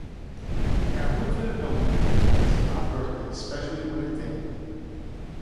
Now who could'a knowed it was my birthday, especially when it 'tain't?